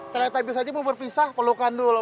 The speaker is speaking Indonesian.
teletubbies aja mau berpisah pelukan dulu